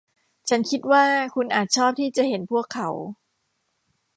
ฉันคิดว่าคุณอาจชอบที่จะเห็นพวกเขา